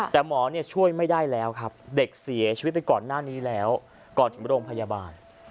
แต่หมอช่วยไม่ได้แล้วครับเด็กเสียชีวิตไปก่อนหน้านี้แล้วก่อนถึงโรงพยาบาล